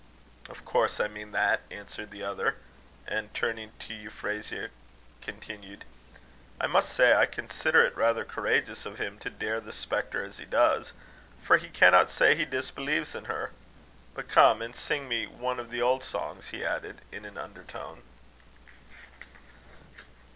"Of course, I mean that," answered the other; and, turning to Euphrasia, continued: "I must say I consider it rather courageous of him to dare the spectre as he does, for he cannot say he disbelieves in her. But come and sing me one of the old songs," he added, in an under tone.